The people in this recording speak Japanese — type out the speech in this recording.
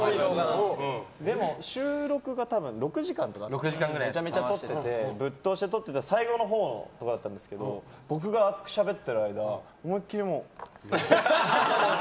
でも収録が６時間とかめちゃめちゃ撮っててぶっ通しで撮ってた時の最後のほうだったんですけど僕が熱くしゃべってる間思い切り。